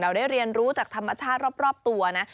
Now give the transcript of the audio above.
ได้เรียนรู้จากธรรมชาติรอบตัวนะ